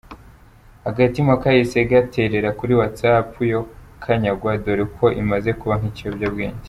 Agatima kahise gaterera kuri WhatsApp yo kanyagwa dore ko imaze kuba nk’ikiyobyabwenge.